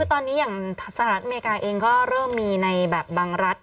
คือตอนนี้อย่างสหรัฐอเมริกาเองก็เริ่มมีในแบบบางรัฐ